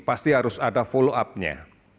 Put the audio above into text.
pasti harus ada follow up nya